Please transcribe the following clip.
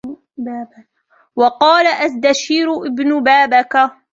وَقَالَ أَزْدَشِيرُ بْنُ بَابَكَ